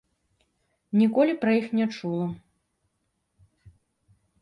Ніколі пра іх не чула.